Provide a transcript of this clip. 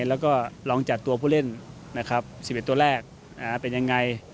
แล้วก็ลองจัดตัวผู้เล่นนะครับ๑๑ตัวแรกเป็นยังไง